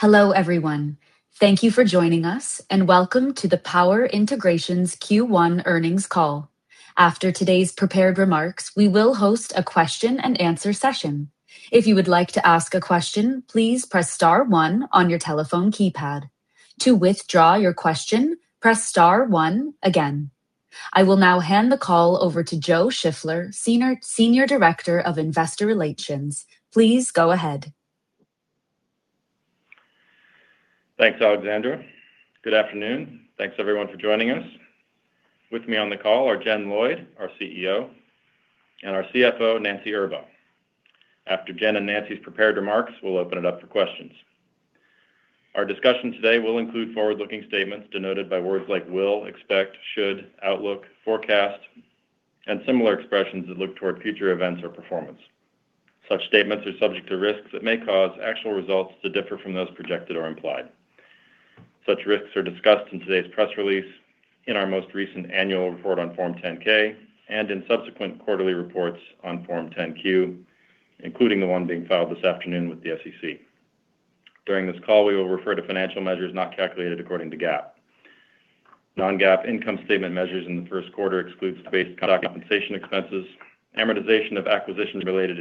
Hello, everyone. Thank you for joining us and welcome to the Power Integrations Q1 earnings call. After today's prepared remarks, we will host a question and answer session. If you would like to ask a question, please press star one on your telephone keypad. To withdraw your question, press star one again. I will now hand the call over to Joe Shiffler, Senior Director of Investor Relations. Please go ahead. Thanks, Alexandra. Good afternoon. Thanks everyone for joining us. With me on the call are Jen Lloyd, our CEO, and our CFO, Nancy Erba. After Jen and Nancy's prepared remarks, we'll open it up for questions. Our discussion today will include forward-looking statements denoted by words like will, expect, should, outlook, forecast, and similar expressions that look toward future events or performance. Such statements are subject to risks that may cause actual results to differ from those projected or implied. Such risks are discussed in today's press release, in our most recent annual report on Form 10-K, and in subsequent quarterly reports on Form 10-Q, including the one being filed this afternoon with the SEC. During this call, we will refer to financial measures not calculated according to GAAP. Non-GAAP income statement measures in the first quarter excludes stock-based compensation expenses, amortization of acquisitions related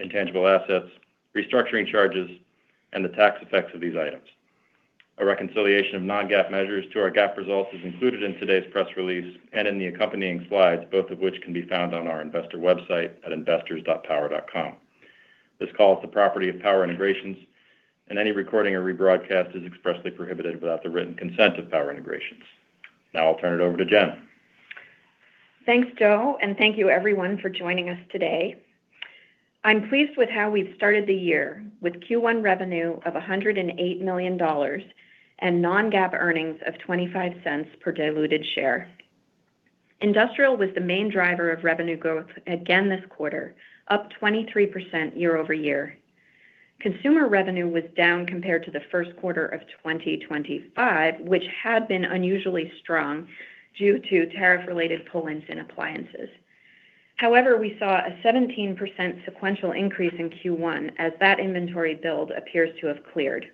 intangible assets, restructuring charges, and the tax effects of these items. A reconciliation of non-GAAP measures to our GAAP results is included in today's press release and in the accompanying slides, both of which can be found on our investor website at investors.power.com. This call is the property of Power Integrations and any recording or rebroadcast is expressly prohibited without the written consent of Power Integrations. I'll turn it over to Jen. Thanks, Joe. Thank you everyone for joining us today. I'm pleased with how we've started the year with Q1 revenue of $108 million and non-GAAP earnings of $0.25 per diluted share. Industrial was the main driver of revenue growth again this quarter, up 23% year-over-year. Consumer revenue was down compared to the first quarter of 2025, which had been unusually strong due to tariff-related pull-ins in appliances. We saw a 17% sequential increase in Q1 as that inventory build appears to have cleared.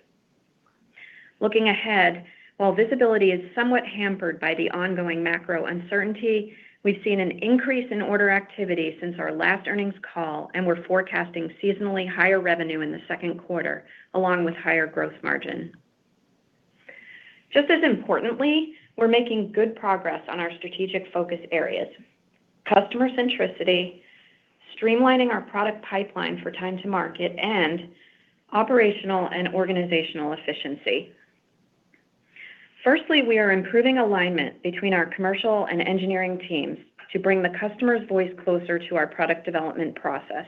Looking ahead, while visibility is somewhat hampered by the ongoing macro uncertainty, we've seen an increase in order activity since our last earnings call, and we're forecasting seasonally higher revenue in the second quarter, along with higher gross margin. Just as importantly, we're making good progress on our strategic focus areas: customer centricity, streamlining our product pipeline for time to market, and operational and organizational efficiency. Firstly, we are improving alignment between our commercial and engineering teams to bring the customer's voice closer to our product development process.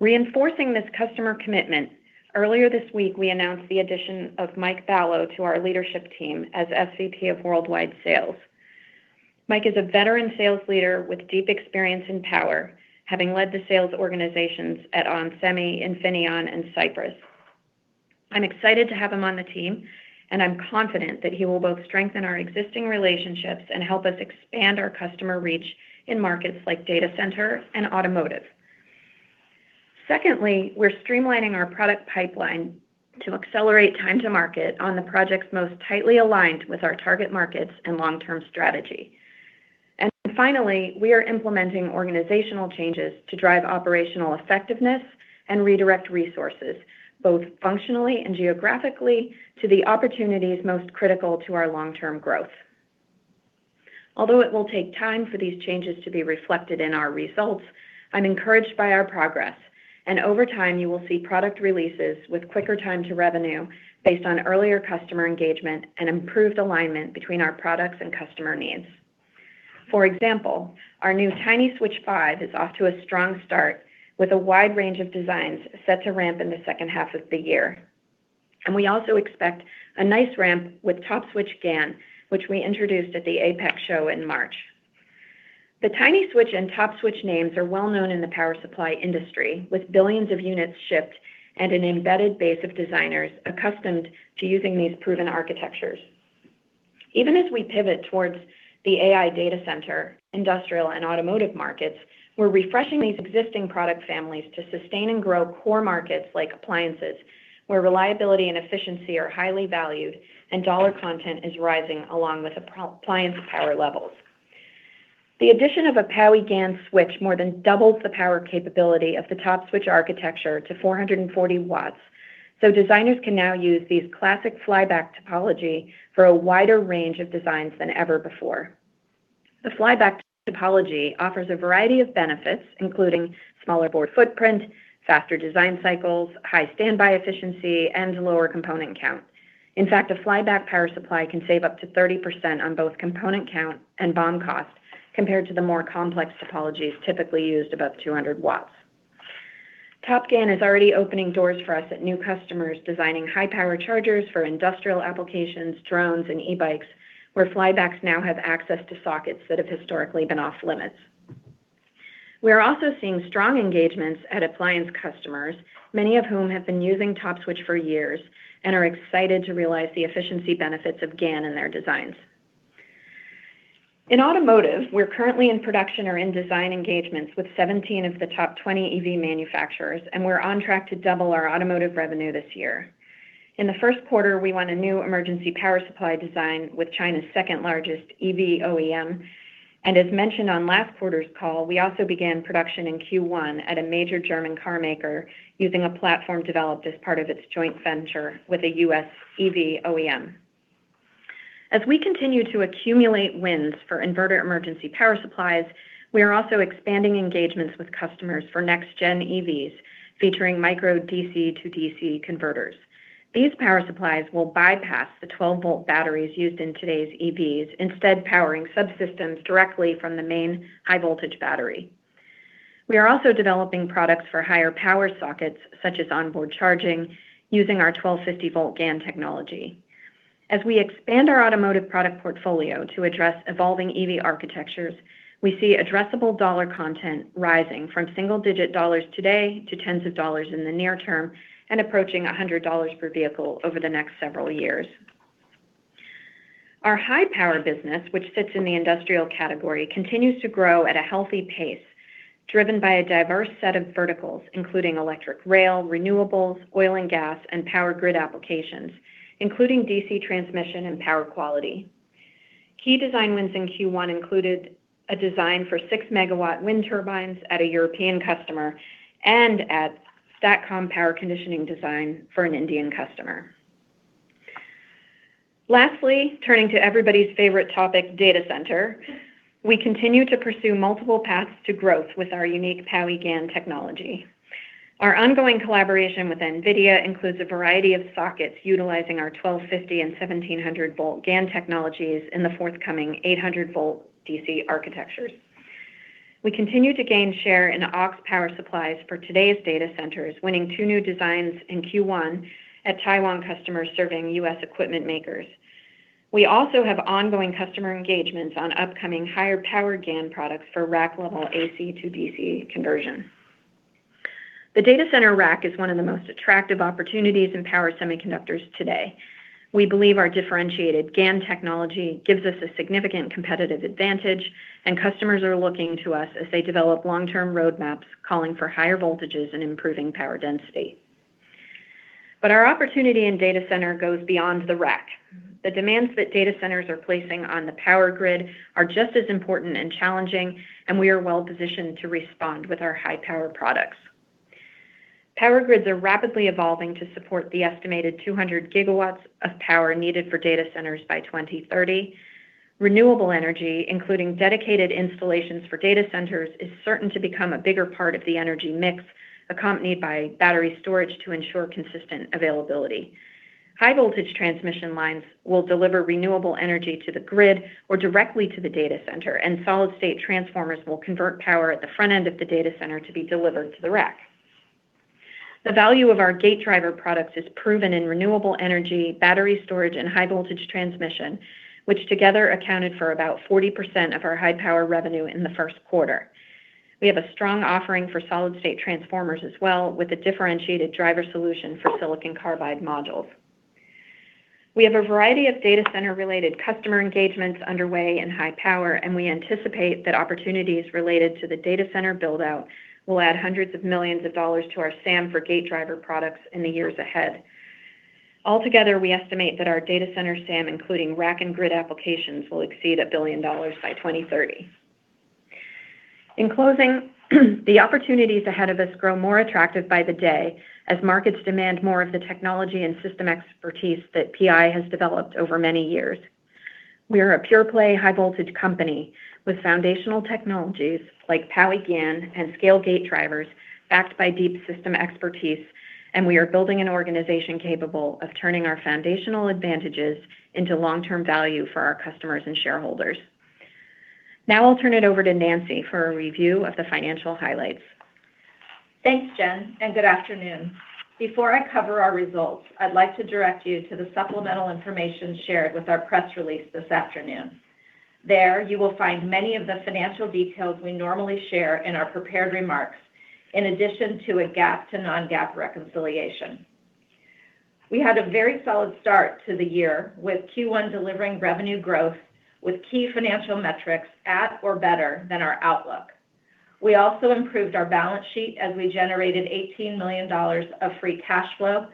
Reinforcing this customer commitment, earlier this week we announced the addition of Mike Balow to our leadership team as SVP of Worldwide Sales. Mike is a veteran sales leader with deep experience in Power, having led the sales organizations at onsemi, Infineon and Cypress. I'm excited to have him on the team, and I'm confident that he will both strengthen our existing relationships and help us expand our customer reach in markets like data center and automotive. Secondly, we're streamlining our product pipeline to accelerate time to market on the projects most tightly aligned with our target markets and long-term strategy. Finally, we are implementing organizational changes to drive operational effectiveness and redirect resources, both functionally and geographically, to the opportunities most critical to our long-term growth. Although it will take time for these changes to be reflected in our results, I'm encouraged by our progress, and over time you will see product releases with quicker time to revenue based on earlier customer engagement and improved alignment between our products and customer needs. For example, our new TinySwitch-5 is off to a strong start with a wide range of designs set to ramp in the second half of the year. We also expect a nice ramp with TOPSwitchGaN, which we introduced at the APEC show in March. The TinySwitch and TOPSwitch names are well known in the power supply industry, with billions of units shipped and an embedded base of designers accustomed to using these proven architectures. Even as we pivot towards the AI data center, industrial and automotive markets, we're refreshing these existing product families to sustain and grow core markets like appliances, where reliability and efficiency are highly valued and dollar content is rising along with appliance power levels. The addition of a PowiGaN switch more than doubles the power capability of the TOPSwitch architecture to 440 W. Designers can now use these classic flyback topology for a wider range of designs than ever before. The flyback topology offers a variety of benefits, including smaller board footprint, faster design cycles, high standby efficiency, and lower component count. In fact, a flyback power supply can save up to 30% on both component count and BOM cost compared to the more complex topologies typically used above 200 W. TOPSwitchGaN is already opening doors for us at new customers designing high-power chargers for industrial applications, drones, and e-bikes, where flybacks now have access to sockets that have historically been off-limits. We are also seeing strong engagements at appliance customers, many of whom have been using TOPSwitch for years and are excited to realize the efficiency benefits of GaN in their designs. In automotive, we're currently in production or in design engagements with 17 of the top 20 EV manufacturers, and we're on track to double our automotive revenue this year. In the first quarter, we won a new emergency power supply design with China's second-largest EV OEM. As mentioned on last quarter's call, we also began production in Q1 at a major German carmaker using a platform developed as part of its joint venture with a U.S. EV OEM. As we continue to accumulate wins for inverter emergency power supplies, we are also expanding engagements with customers for next-gen EVs, featuring micro DC-DC converters. These power supplies will bypass the 12 V batteries used in today's EVs, instead powering subsystems directly from the main high-voltage battery. We are also developing products for higher power sockets, such as onboard charging, using our 1,250 V GaN technology. As we expand our automotive product portfolio to address evolving EV architectures, we see addressable dollar content rising from single-digit dollars today to tens of dollars in the near term and approaching $100 per vehicle over the next several years. Our high-power business, which sits in the industrial category, continues to grow at a healthy pace, driven by a diverse set of verticals, including electric rail, renewables, oil and gas, and power grid applications, including DC transmission and power quality. Key design wins in Q1 included a design for 6 MW wind turbines at a European customer and at STATCOM power conditioning design for an Indian customer. Lastly, turning to everybody's favorite topic, data center, we continue to pursue multiple paths to growth with our unique PowiGaN technology. Our ongoing collaboration with NVIDIA includes a variety of sockets utilizing our 1,250 V and 1,700 V GaN technologies in the forthcoming 800 V DC architectures. We continue to gain share in aux power supplies for today's data centers, winning two new designs in Q1 at Taiwan customers serving U.S. equipment makers. We also have ongoing customer engagements on upcoming higher power GaN products for rack-level AC to DC conversion. The data center rack is one of the most attractive opportunities in power semiconductors today. We believe our differentiated GaN technology gives us a significant competitive advantage, and customers are looking to us as they develop long-term roadmaps calling for higher voltages and improving power density. Our opportunity in data center goes beyond the rack. The demands that data centers are placing on the power grid are just as important and challenging, and we are well-positioned to respond with our high-power products. Power grids are rapidly evolving to support the estimated 200 GW of power needed for data centers by 2030. Renewable energy, including dedicated installations for data centers, is certain to become a bigger part of the energy mix, accompanied by battery storage to ensure consistent availability. High-voltage transmission lines will deliver renewable energy to the grid or directly to the data center, and solid-state transformers will convert power at the front end of the data center to be delivered to the rack. The value of our gate driver products is proven in renewable energy, battery storage, and high-voltage transmission, which together accounted for about 40% of our high-power revenue in the first quarter. We have a strong offering for solid-state transformers as well, with a differentiated driver solution for silicon carbide modules. We have a variety of data center-related customer engagements underway in high power, and we anticipate that opportunities related to the data center build-out will add hundreds of millions to our SAM for gate driver products in the years ahead. Altogether, we estimate that our data center SAM, including rack and grid applications, will exceed $1 billion by 2030. In closing, the opportunities ahead of us grow more attractive by the day as markets demand more of the technology and system expertise that PI has developed over many years. We are a pure play high-voltage company with foundational technologies like PowiGaN and SCALE gate drivers backed by deep system expertise, and we are building an organization capable of turning our foundational advantages into long-term value for our customers and shareholders. Now I'll turn it over to Nancy for a review of the financial highlights. Thanks, Jen. Good afternoon. Before I cover our results, I'd like to direct you to the supplemental information shared with our press release this afternoon. There, you will find many of the financial details we normally share in our prepared remarks, in addition to a GAAP to non-GAAP reconciliation. We had a very solid start to the year, with Q1 delivering revenue growth with key financial metrics at or better than our outlook. We also improved our balance sheet as we generated $18 million of free cash flow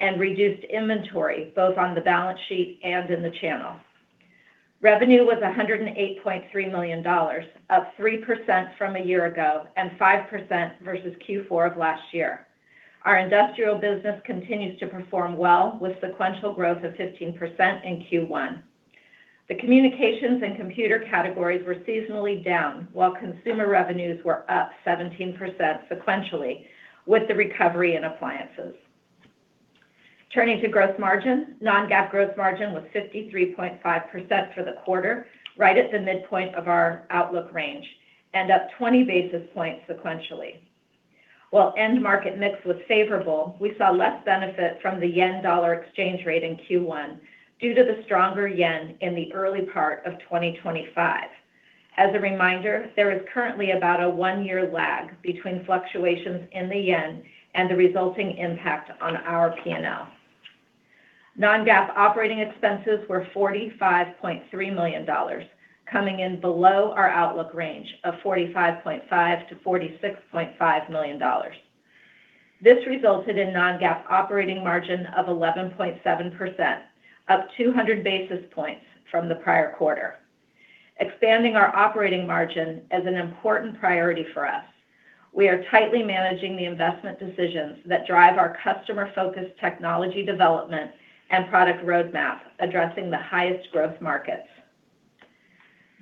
and reduced inventory, both on the balance sheet and in the channel. Revenue was $108.3 million, up 3% from a year ago and 5% versus Q4 of last year. Our industrial business continues to perform well, with sequential growth of 15% in Q1. The communications and computer categories were seasonally down, while consumer revenues were up 17% sequentially with the recovery in appliances. Turning to gross margin, non-GAAP gross margin was 53.5% for the quarter, right at the midpoint of our outlook range, and up 20 basis points sequentially. While end market mix was favorable, we saw less benefit from the yen-dollar exchange rate in Q1 due to the stronger yen in the early part of 2025. As a reminder, there is currently about a one-year lag between fluctuations in the yen and the resulting impact on our P&L. Non-GAAP operating expenses were $45.3 million, coming in below our outlook range of $45.5 million-$46.5 million. This resulted in non-GAAP operating margin of 11.7%, up 200 basis points from the prior quarter. Expanding our operating margin is an important priority for us. We are tightly managing the investment decisions that drive our customer-focused technology development and product roadmap, addressing the highest growth markets.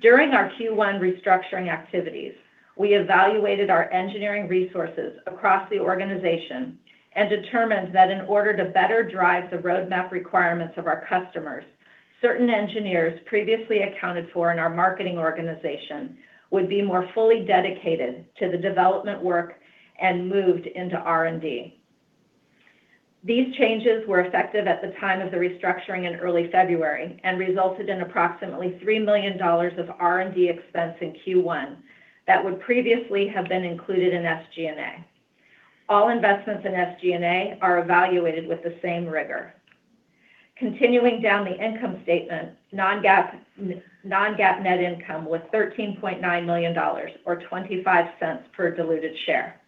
During our Q1 restructuring activities, we evaluated our engineering resources across the organization and determined that in order to better drive the roadmap requirements of our customers, certain engineers previously accounted for in our marketing organization would be more fully dedicated to the development work and moved into R&D. These changes were effective at the time of the restructuring in early February and resulted in approximately $3 million of R&D expense in Q1 that would previously have been included in SG&A. All investments in SG&A are evaluated with the same rigor. Continuing down the income statement, non-GAAP net income was $13.9 million or $0.25 per diluted share.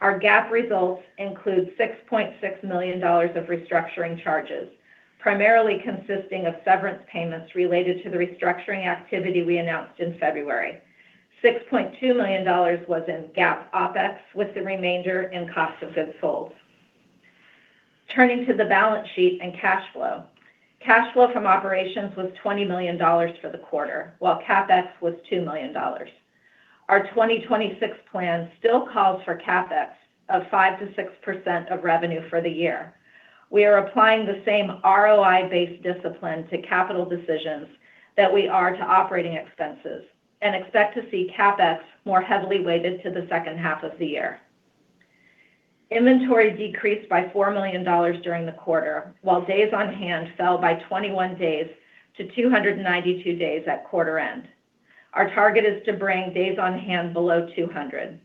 Our GAAP results include $6.6 million of restructuring charges, primarily consisting of severance payments related to the restructuring activity we announced in February. $6.2 million was in GAAP OpEx, with the remainder in cost of goods sold. Turning to the balance sheet and cash flow. Cash flow from operations was $20 million for the quarter, while CapEx was $2 million. Our 2026 plan still calls for CapEx of 5%-6% of revenue for the year. We are applying the same ROI-based discipline to capital decisions that we are to operating expenses and expect to see CapEx more heavily weighted to the second half of the year. Inventory decreased by $4 million during the quarter, while days on hand fell by 21 days to 292 days at quarter end. Our target is to bring days on hand below 200.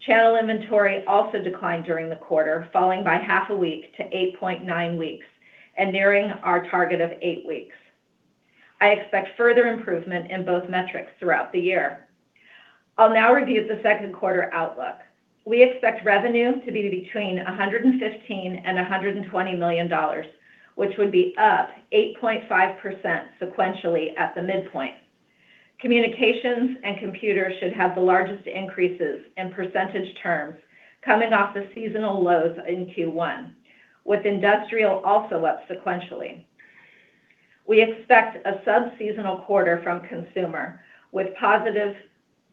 Channel inventory also declined during the quarter, falling by 0.5 week to 8.9 weeks and nearing our target of eight weeks. I expect further improvement in both metrics throughout the year. I'll now review the second quarter outlook. We expect revenue to be between $115 million-$120 million, which would be up 8.5% sequentially at the midpoint. Communications and computers should have the largest increases in percentage terms coming off the seasonal lows in Q1, with industrial also up sequentially. We expect a sub-seasonal quarter from consumer, with positive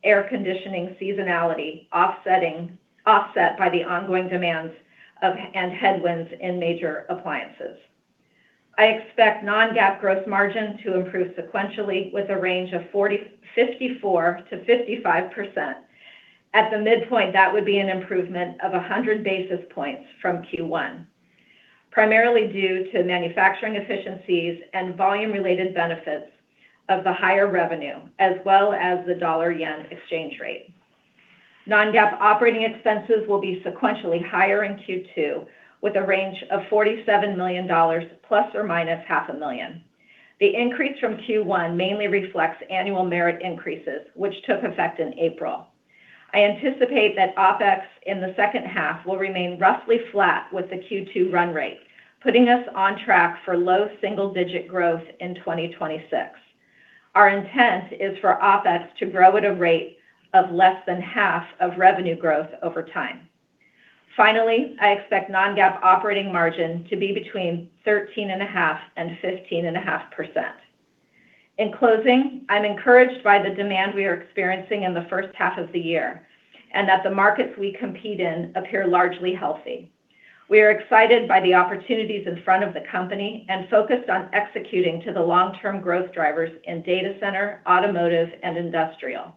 air conditioning seasonality offset by the ongoing demands and headwinds in major appliances. I expect non-GAAP gross margin to improve sequentially with a range of 54%-55%. At the midpoint, that would be an improvement of 100 basis points from Q1, primarily due to manufacturing efficiencies and volume-related benefits of the higher revenue, as well as the dollar-yen exchange rate. Non-GAAP operating expenses will be sequentially higher in Q2, with a range of $47 million ± $500,000. The increase from Q1 mainly reflects annual merit increases, which took effect in April. I anticipate that OpEx in the second half will remain roughly flat with the Q2 run rate, putting us on track for low single-digit growth in 2026. Our intent is for OpEx to grow at a rate of less than half of revenue growth over time. I expect non-GAAP operating margin to be between 13.5% and 15.5%. In closing, I'm encouraged by the demand we are experiencing in the first half of the year and that the markets we compete in appear largely healthy. We are excited by the opportunities in front of the company and focused on executing to the long-term growth drivers in data center, automotive, and industrial.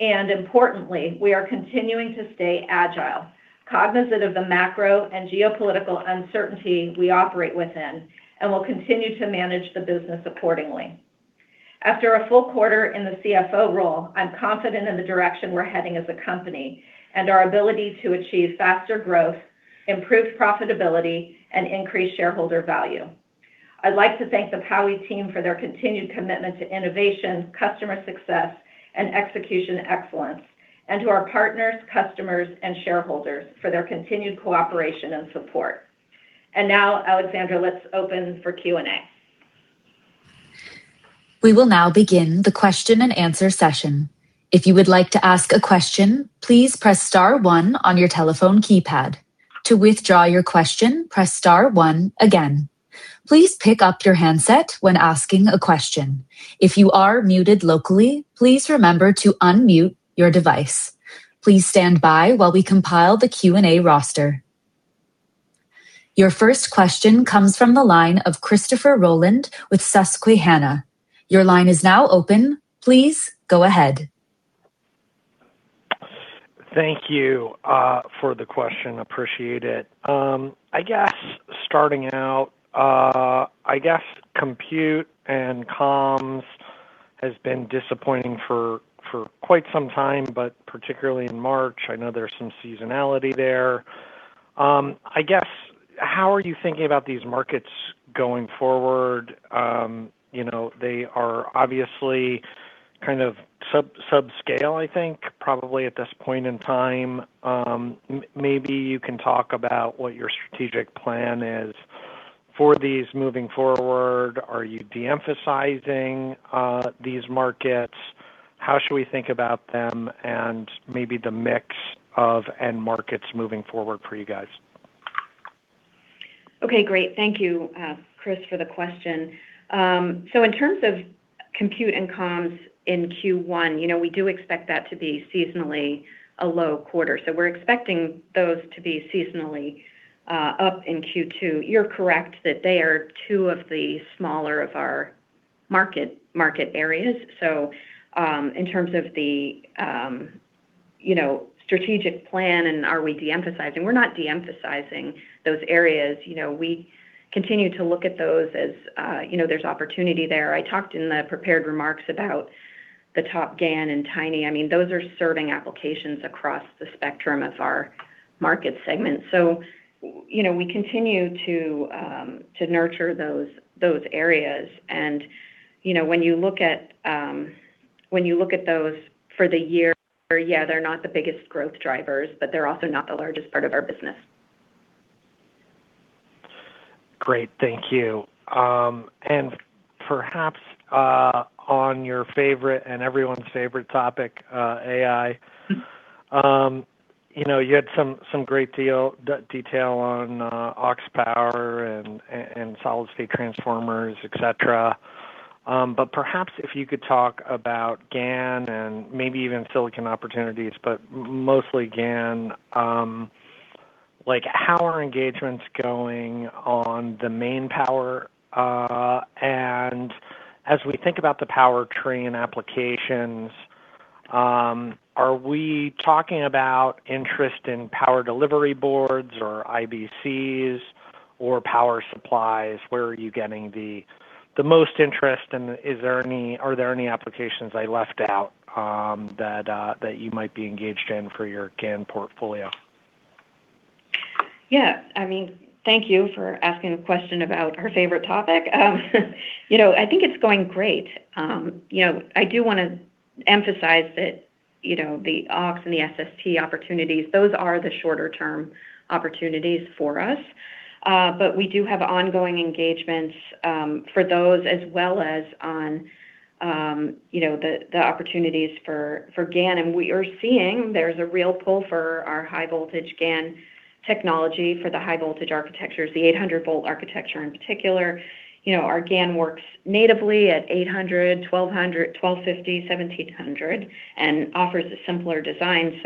Importantly, we are continuing to stay agile, cognizant of the macro and geopolitical uncertainty we operate within, and will continue to manage the business accordingly. After a full quarter in the CFO role, I'm confident in the direction we're heading as a company and our ability to achieve faster growth, improved profitability, and increased shareholder value. I'd like to thank the POWI team for their continued commitment to innovation, customer success, and execution excellence, and to our partners, customers, and shareholders for their continued cooperation and support. Now, Alexandra, let's open for Q&A. We will now begin the question and answer session. If you would like to ask a question, please press star one on your telephone keypad. To withdraw your question, press star one again. Please pick up your handset when asking a question. If you are muted locally, please remember to unmute your device. Please stand by while we compile the Q&A roster. Your first question comes from the line of Christopher Rolland with Susquehanna. Your line is now open. Please go ahead. Thank you for the question. Appreciate it. I guess starting out, compute and comms. Has been disappointing for quite some time, particularly in March. I know there's some seasonality there. I guess how are you thinking about these markets going forward? you know, they are obviously kind of sub-subscale, I think, probably at this point in time. maybe you can talk about what your strategic plan is for these moving forward. Are you de-emphasizing these markets? How should we think about them and maybe the mix of end markets moving forward for you guys? Okay, great. Thank you, Chris, for the question. In terms of compute and comms in Q1, you know, we do expect that to be seasonally a low quarter. We're expecting those to be seasonally up in Q2. You're correct that they are two of the smaller of our market areas. In terms of the, you know, strategic plan and are we de-emphasizing, we're not de-emphasizing those areas. You know, we continue to look at those as, you know, there's opportunity there. I talked in the prepared remarks about the TOPSwitchGaN and TinySwitch. I mean, those are serving applications across the spectrum of our market segments. You know, we continue to nurture those areas. You know, when you look at, when you look at those for the year, yeah, they're not the biggest growth drivers, but they're also not the largest part of our business. Great. Thank you. Perhaps, on your favorite and everyone's favorite topic, AI. You know, you had some great detail on aux power and solid-state transformers, et cetera. Perhaps if you could talk about GaN and maybe even silicon opportunities, mostly GaN, like, how are engagements going on the main power? As we think about the powertrain applications, are we talking about interest in power delivery boards or IBCs or power supplies? Where are you getting the most interest, and are there any applications I left out that you might be engaged in for your GaN portfolio? Yeah. I mean, thank you for asking a question about our favorite topic. You know, I think it's going great. You know, I do wanna emphasize that, you know, the aux and the SST opportunities, those are the shorter-term opportunities for us. But we do have ongoing engagements for those as well as on, you know, the opportunities for GaN. We are seeing there's a real pull for our high-voltage GaN technology for the high-voltage architectures, the 800 V architecture in particular. You know, our GaN works natively at 800 V, 1,200 V, 1,250 V, 1,700 V, and offers a simpler design.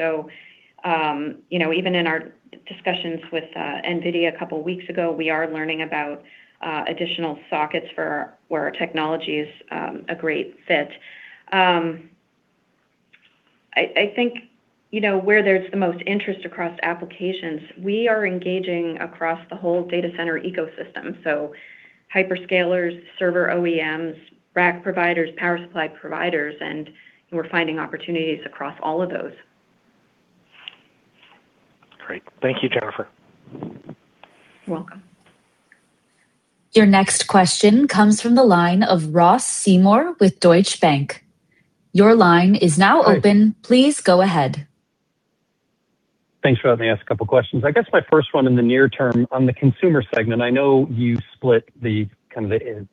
You know, even in our discussions with NVIDIA a couple weeks ago, we are learning about additional sockets for where our technology is a great fit. I think, you know, where there's the most interest across applications, we are engaging across the whole data center ecosystem. Hyperscalers, server OEMs, rack providers, power supply providers, and we're finding opportunities across all of those. Great. Thank you, Jennifer. You're welcome. Your next question comes from the line of Ross Seymore with Deutsche Bank. Your line is now open. Hi. Please go ahead. Thanks for letting me ask a couple questions. I guess my first one in the near term on the consumer segment, I know you split the kind of the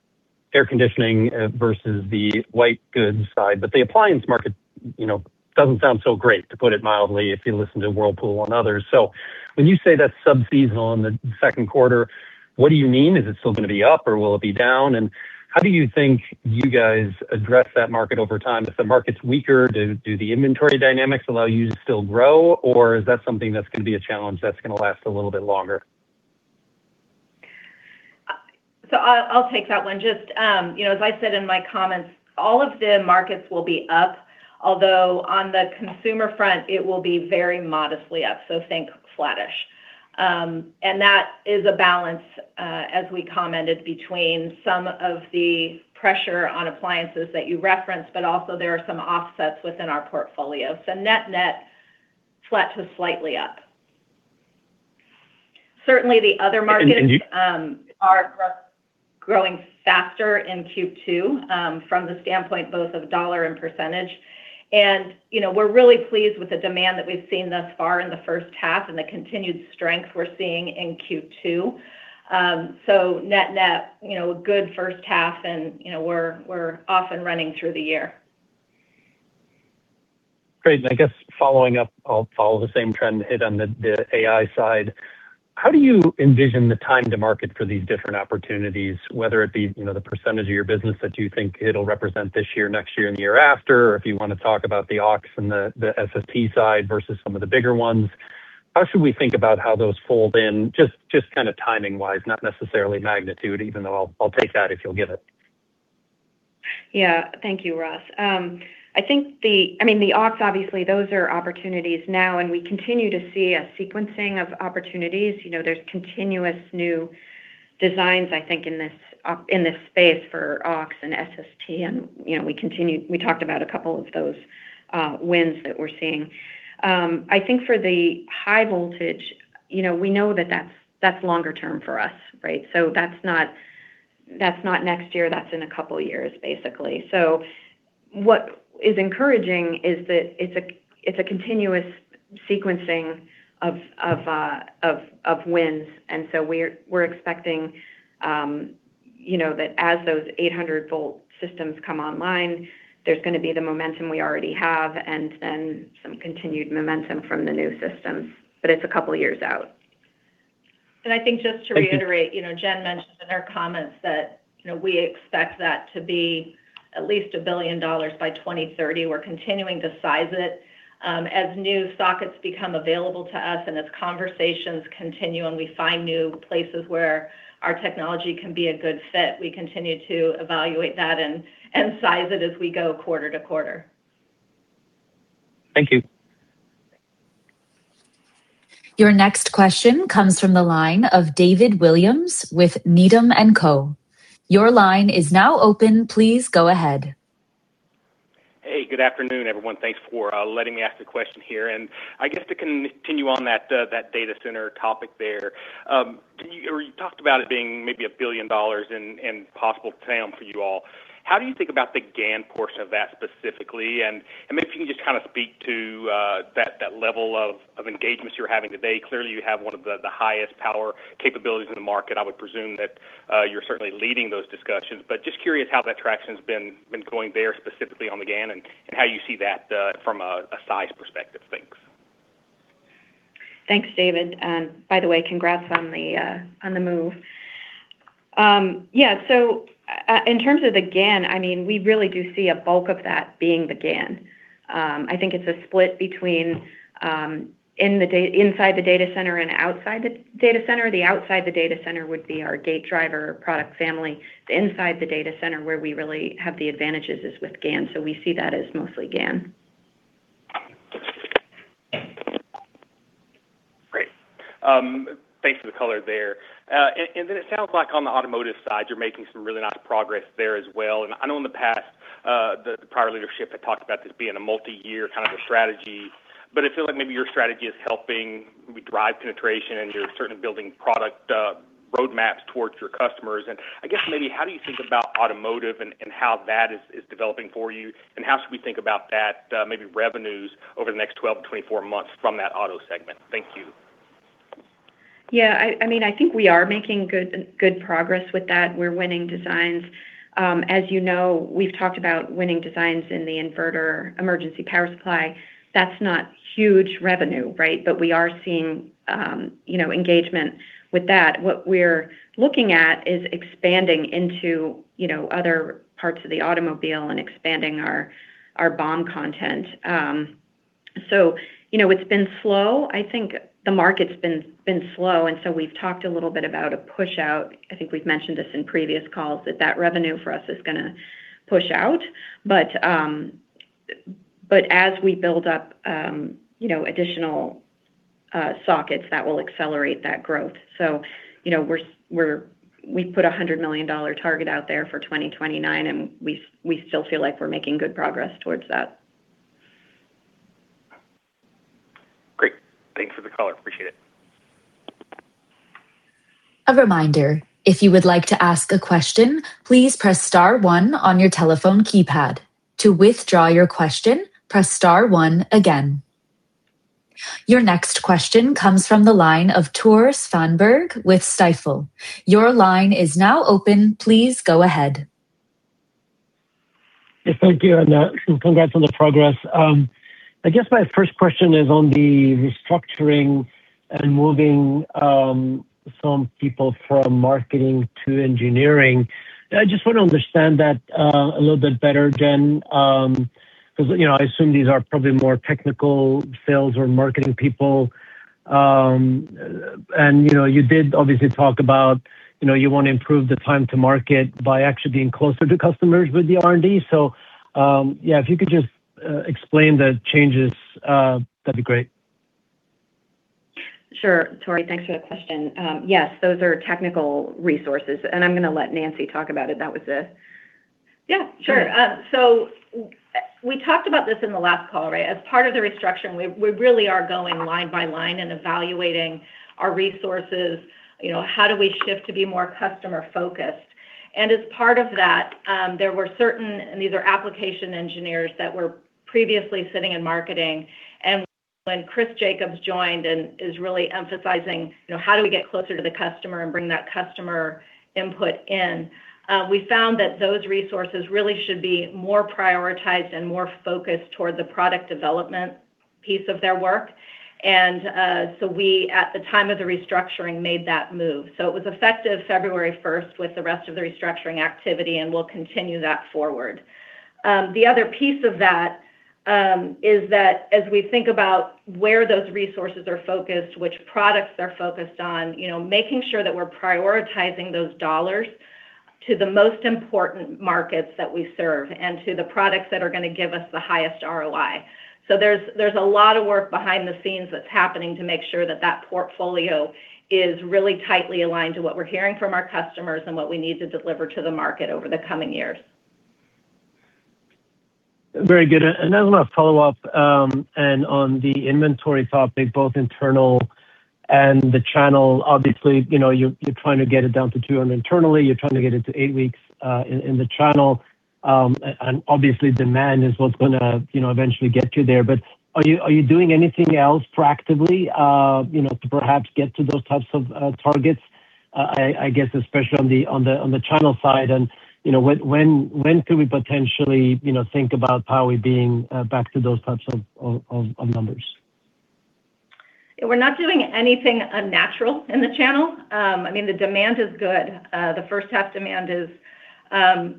air conditioning versus the white goods side, but the appliance market, you know, doesn't sound so great, to put it mildly, if you listen to Whirlpool and others. When you say that's sub-seasonal in the second quarter, what do you mean? Is it still gonna be up, or will it be down? How do you think you guys address that market over time? If the market's weaker, do the inventory dynamics allow you to still grow, or is that something that's gonna be a challenge that's gonna last a little bit longer? I'll take that one. Just, you know, as I said in my comments, all of the markets will be up, although on the consumer front it will be very modestly up, so think flattish. That is a balance, as we commented between some of the pressure on appliances that you referenced, but also there are some offsets within our portfolio. Net-net, flat to slightly up. Certainly the other markets. And, and do you- Are growing faster in Q2 from the standpoint both of dollar and percentage. You know, we're really pleased with the demand that we've seen thus far in the first half and the continued strength we're seeing in Q2. Net-net, you know, a good first half and, you know, we're off and running through the year. Great. I guess following up, I'll follow the same trend hit on the AI side. How do you envision the time to market for these different opportunities, whether it be, you know, the percentage of your business that you think it'll represent this year, next year, and the year after? If you wanna talk about the aux and the SST side versus some of the bigger ones. How should we think about how those fold in, just kind of timing-wise, not necessarily magnitude, even though I'll take that if you'll give it? Thank you, Ross. I mean, the aux obviously, those are opportunities now, and we continue to see a sequencing of opportunities. You know, there's continuous new designs, I think, in this space for aux and SST, and, you know, we talked about a couple of those wins that we're seeing. I think for the high voltage, you know, we know that that's longer term for us, right? That's not next year. That's in a couple years, basically. What is encouraging is that it's a continuous sequencing of wins. We're expecting, you know, that as those 800 V systems come online, there's gonna be the momentum we already have and then some continued momentum from the new systems. It's a couple years out. I think just to reiterate. Thank you. you know, Jen mentioned in her comments that, you know, we expect that to be at least $1 billion by 2030. We're continuing to size it. As new sockets become available to us and as conversations continue and we find new places where our technology can be a good fit, we continue to evaluate that and size it as we go quarter-to-quarter. Thank you. Your next question comes from the line of David Williams with Needham & Co. Your line is now open. Please go ahead. Hey, good afternoon, everyone. Thanks for letting me ask a question here. I guess to continue on that data center topic there, you talked about it being maybe $1 billion in possible TAM for you all. How do you think about the GaN portion of that specifically? maybe if you can just kind of speak to that level of engagement you're having today. Clearly, you have one of the highest power capabilities in the market. I would presume that you're certainly leading those discussions. just curious how that traction's been going there specifically on the GaN and how you see that from a size perspective. Thanks. Thanks, David. By the way, congrats on the move. In terms of the GaN, we really do see a bulk of that being the GaN. I think it's a split between inside the data center and outside the data center. The outside the data center would be our gate driver product family. The inside the data center where we really have the advantages is with GaN, so we see that as mostly GaN. Great. Thanks for the color there. It sounds like on the automotive side, you're making some really nice progress there as well. I know in the past, the prior leadership had talked about this being a multi-year kind of a strategy, but I feel like maybe your strategy is helping drive penetration, and you're certainly building product roadmaps towards your customers. I guess maybe how do you think about automotive and how that is developing for you? How should we think about that maybe revenues over the next 12-24 months from that auto segment? Thank you. I mean, I think we are making good progress with that. We're winning designs. As you know, we've talked about winning designs in the inverter emergency power supply. That's not huge revenue, right? We are seeing, you know, engagement with that. What we're looking at is expanding into, you know, other parts of the automobile and expanding our BOM content. You know, it's been slow. I think the market's been slow, we've talked a little bit about a pushout. I think we've mentioned this in previous calls, that revenue for us is gonna push out. As we build up, you know, additional sockets, that will accelerate that growth. you know, we put a $100 million target out there for 2029, and we still feel like we're making good progress towards that. Great. Thanks for the color. Appreciate it. A reminder, if you would like to ask a question, please press star one on your telephone keypad. To withdraw your question, press star one again. Your next question comes from the line of Tore Svanberg with Stifel. Your line is now open. Please go ahead. Yes, thank you, and congrats on the progress. I guess my first question is on the restructuring and moving some people from marketing to engineering. I just want to understand that a little bit better, Jen, 'cause, you know, I assume these are probably more technical sales or marketing people. You know, you did obviously talk about, you know, you want to improve the time to market by actually being closer to customers with the R&D. Yeah, if you could just explain the changes, that'd be great. Sure, Tore. Thanks for that question. Yes, those are technical resources, and I'm gonna let Nancy talk about it. Yeah, sure. We talked about this in the last call, right? As part of the restructuring, we really are going line by line and evaluating our resources. You know, how do we shift to be more customer-focused? As part of that, there were certain, and these are application engineers that were previously sitting in marketing. When Chris Jacobs joined and is really emphasizing, you know, how do we get closer to the customer and bring that customer input in, we found that those resources really should be more prioritized and more focused toward the product development piece of their work. We, at the time of the restructuring, made that move. It was effective February first with the rest of the restructuring activity, and we'll continue that forward. The other piece of that is that as we think about where those resources are focused, which products they're focused on, you know, making sure that we're prioritizing those dollars to the most important markets that we serve and to the products that are gonna give us the highest ROI. There's a lot of work behind the scenes that's happening to make sure that that portfolio is really tightly aligned to what we're hearing from our customers and what we need to deliver to the market over the coming years. Very good. Then I'm gonna follow up, and on the inventory topic, both internal and the channel. Obviously, you know, you're trying to get it down to two. Internally, you're trying to get it to eight weeks, in the channel. Obviously, demand is what's gonna, you know, eventually get you there. Are you doing anything else proactively, you know, to perhaps get to those types of targets, I guess especially on the channel side? You know, when could we potentially, you know, think about Ottawa being back to those types of numbers? We're not doing anything unnatural in the channel. I mean, the demand is good. The first half demand is,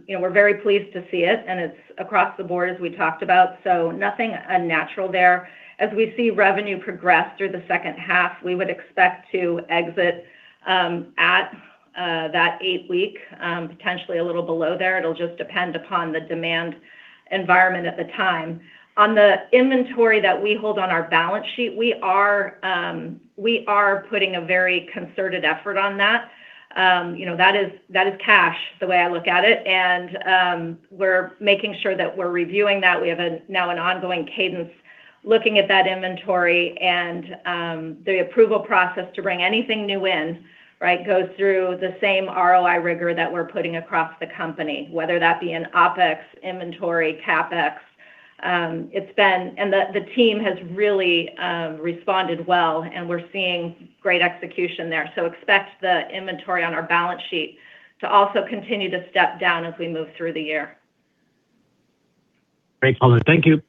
you know, we're very pleased to see it, and it's across the board, as we talked about. Nothing unnatural there. As we see revenue progress through the second half, we would expect to exit at that 8 week, potentially a little below there. It'll just depend upon the demand environment at the time. On the inventory that we hold on our balance sheet, we are putting a very concerted effort on that. You know, that is, that is cash, the way I look at it. We're making sure that we're reviewing that. We have a, now an ongoing cadence looking at that inventory and the approval process to bring anything new in, right, goes through the same ROI rigor that we're putting across the company, whether that be in OpEx, inventory, CapEx. The team has really responded well, and we're seeing great execution there. Expect the inventory on our balance sheet to also continue to step down as we move through the year. Great. Thank you.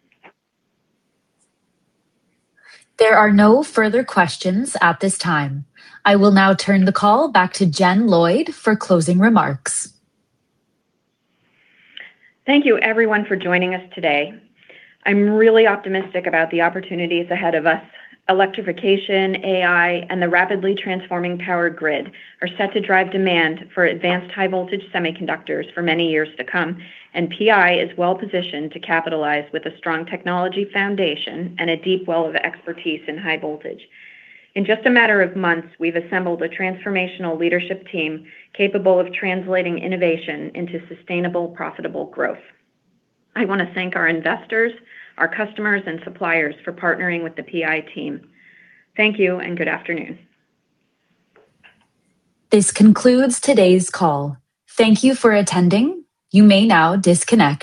There are no further questions at this time. I will now turn the call back to Jen Lloyd for closing remarks. Thank you everyone for joining us today. I'm really optimistic about the opportunities ahead of us. Electrification, AI, and the rapidly transforming power grid are set to drive demand for advanced high voltage semiconductors for many years to come. PI is well-positioned to capitalize with a strong technology foundation and a deep well of expertise in high voltage. In just a matter of months, we've assembled a transformational leadership team capable of translating innovation into sustainable, profitable growth. I wanna thank our investors, our customers, and suppliers for partnering with the PI team. Thank you and good afternoon. This concludes today's call. Thank you for attending. You may now disconnect.